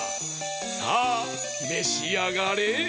さあめしあがれ！